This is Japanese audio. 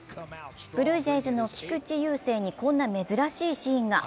ブルージェイズの菊池雄星にこんな珍しいシーンが。